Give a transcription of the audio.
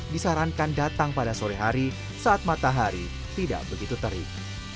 disarankan datang pada sore hari saat matahari tidak begitu terik